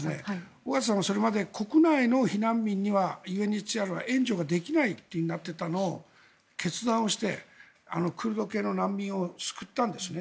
緒方さんはそれまで国内の避難民にはＵＮＨＣＲは援助ができないとなっていたのを決断をして、クルド系の難民を救ったんですね。